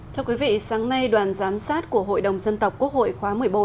thưa quý vị sáng nay đoàn giám sát của hội đồng dân tộc quốc hội khóa một mươi bốn